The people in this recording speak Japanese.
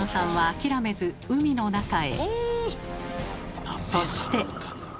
高野さんは諦めず海の中へ。